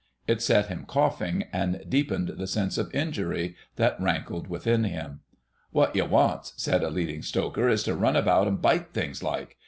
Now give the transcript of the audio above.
It set him coughing, and deepened the sense of injury that rankled within him. "Wot you wants," said a Leading Stoker, "is to run about an' bite things, like.